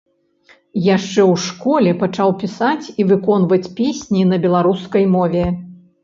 Яшчэ ў школе пачаў пісаць і выконваць песні на беларускай мове.